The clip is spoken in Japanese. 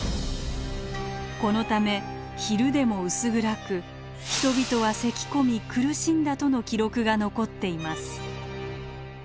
このため昼でも薄暗く人々はせきこみ苦しんだとの記録が残っています。